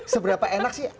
seberapa enak sih